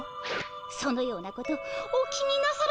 そのようなことお気になさらずに。